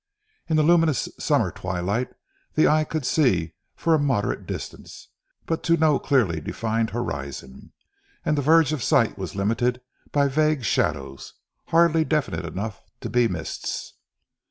In the luminous summer twilight, the eye could see for a moderate distance, but to no clearly defined horizon; and the verge of sight was limited by vague shadows, hardly definite enough to be mists.